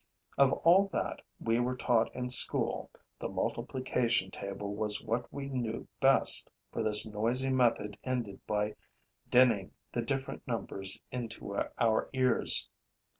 Of all that we were taught in school, the multiplication table was what we knew best, for this noisy method ended by dinning the different numbers into our ears.